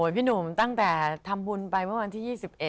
พี่หนุ่มตั้งแต่ทำบุญไปเมื่อวันที่๒๑